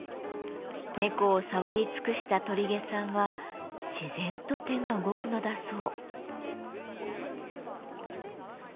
猫を触り尽くした鳥毛さんは自然と手が動くのだそう。